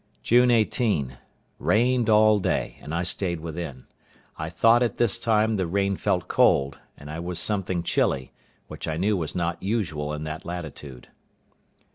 June 18.—Rained all day, and I stayed within. I thought at this time the rain felt cold, and I was something chilly; which I knew was not usual in that latitude.